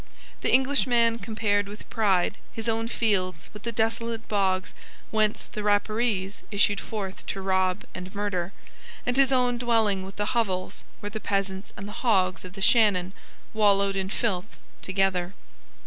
The Englishman compared with pride his own fields with the desolate bogs whence the Rapparees issued forth to rob and murder, and his own dwelling with the hovels where the peasants and the hogs of the Shannon wallowed in filth together.